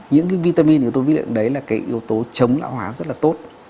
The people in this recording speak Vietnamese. những cái vitamin yếu tố vi lượng đấy là cái yếu tố chống lão hóa rất là tốt